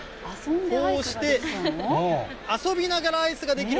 こうして遊びながらアイスが出来る。